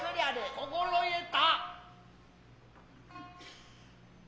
心得た。